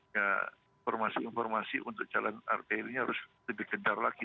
ya informasi informasi untuk jalan arteri ini harus lebih gencar lagi